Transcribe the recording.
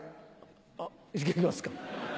あっいけますか？